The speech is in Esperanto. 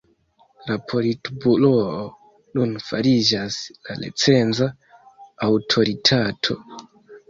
La Politburoo nun fariĝas la recenza aŭtoritato.